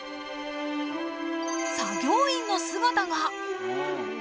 作業員の姿が